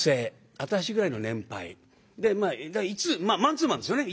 私ぐらいの年配。でマンツーマンですよね。